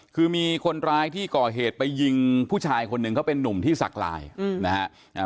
คือมีคนร้ายที่ก่อเหตุไปยิงผู้ชายคนหนึ่งเขาเป็นนุ่มที่สักลายนะฮะ